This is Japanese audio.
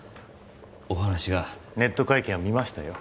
お話がネット会見は見ましたよ